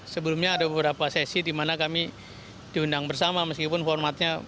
sebelumnya ada beberapa sesi di mana kami diundang bersama meskipun formatnya